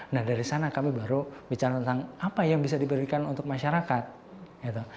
nah dari sana kami baru bicara tentang apa yang bisa diberikan untuk masyarakat